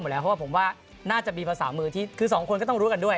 เพราะว่าผมว่าน่าจะมีภาษามือที่คือสองคนก็ต้องรู้กันด้วย